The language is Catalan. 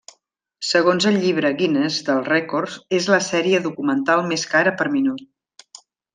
Segons el Llibre Guinness dels rècords, és la sèrie documental més cara per minut.